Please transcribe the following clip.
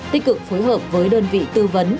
tích cực phối hợp với đơn vị tư vấn